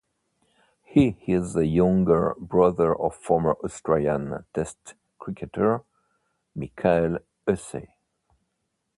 He is the younger brother of former Australian Test cricketer Michael Hussey.